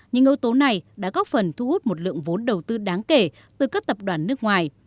những ưu tố này đã góp phần thu hút một lượng vốn đầu tư đáng kể từ các tập đoàn nước ngoài